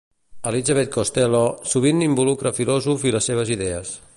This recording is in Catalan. Elizabeth Costello sovint involucra filòsofs i les seves idees.